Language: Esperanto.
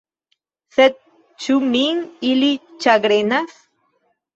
Sed ĉu Min ili ĉagrenas?